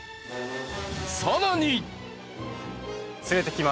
さらに。